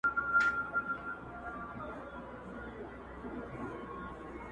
انساني وجدان پوښتنه راپورته کوي تل,